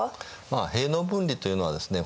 まあ兵農分離というのはですね